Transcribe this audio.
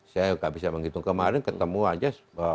saya nggak bisa menghitung kemarin ketemu aja